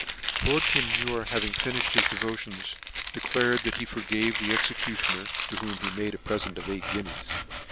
Lord Kenmure having nnifhed his devotions, de clared that he forgave the executioner, to whom he made a pre/ent of eight guineas.